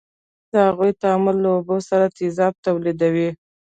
د هغو تعامل له اوبو سره تیزاب تولیدوي.